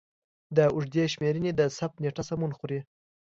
د اوږدې شمېرنې د ثبت نېټه سمون خوري.